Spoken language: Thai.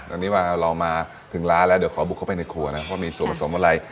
ตอนนี้เรามาถึงร้านแล้วเดี๋ยวขอบุกเข้าไปในครัวนะว่ามีส่วนผสมอะไร